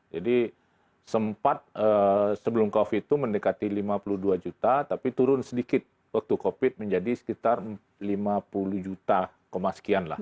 sempat sebelum covid itu mendekati lima puluh dua juta tapi turun sedikit waktu covid menjadi sekitar lima puluh juta sekian lah